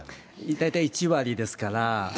大体１割ですから。